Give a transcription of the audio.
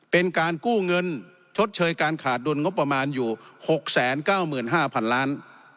เป็นการกู้เงินชดเชยการขาดดุลงบประมาณอยู่๖๙๕๐๐๐ล้าน